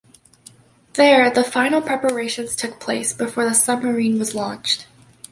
There the final preparations took place before the submarine was launched.